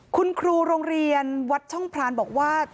คุณครูโรงเรียนวัดช่องพรานบอกว่า